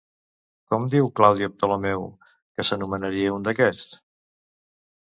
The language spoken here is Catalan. Com diu Claudi Ptolomeu que s'anomenaria un d'aquests?